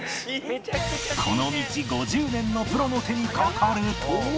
この道５０年のプロの手にかかると